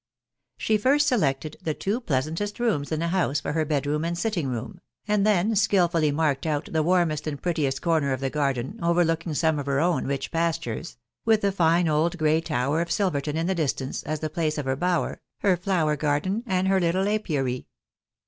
She first selected the two pleasantest rooms in the house for her bed room and sitting room, and then skilfully marked out the warmest and prettiest corner of the garden, overlooking some of her own rich pastures, with the fine old grey tower of Silverton in the distance, as the place of her bower, her flower garden, and her little apiary.